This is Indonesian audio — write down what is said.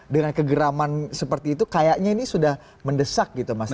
dengan kegeraman seperti itu kayaknya ini sudah mendesak gitu mas